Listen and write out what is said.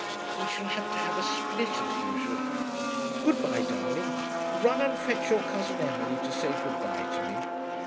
We shall have to have a split, as usual.... Good bye, darling. Run and fetch your cousin Emily to say good bye to me.